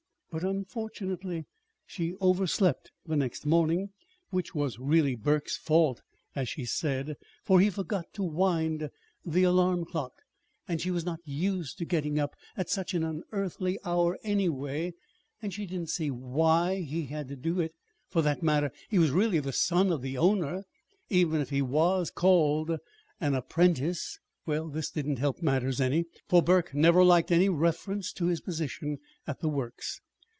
But unfortunately she overslept the next morning which was really Burke's fault, as she said, for he forgot to wind the alarm clock, and she was not used to getting up at such an unearthly hour, anyway, and she did not see why he had to do it, for that matter he was really the son of the owner, even if he was called an apprentice. This did not help matters any, for Burke never liked any reference to his position at the Works.